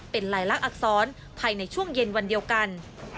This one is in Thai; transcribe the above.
เป็นลายลักษณอักษรภายในช่วงเย็นวันเดียวกัน